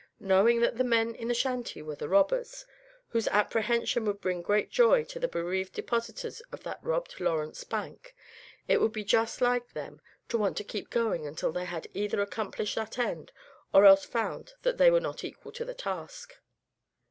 Knowing that the men in the shanty were the robbers, whose apprehension would bring great joy to the bereaved depositors in that robbed Lawrence bank, it would be just like them to want to keep going until they had either accomplished that end, or else found that they were not equal to the task.